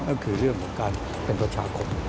ก็คือเรื่องของการเป็นประชาคม